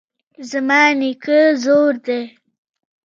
زما نیکه زوړ دی